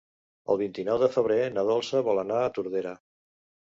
El vint-i-nou de febrer na Dolça vol anar a Tordera.